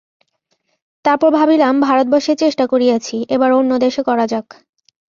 তারপর ভাবিলাম, ভারতবর্ষে চেষ্টা করিয়াছি, এবার অন্য দেশে করা যাক।